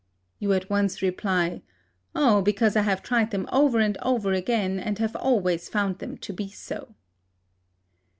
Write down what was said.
You at once reply, "Oh, because I have tried them over and over again, and have always found them to be so."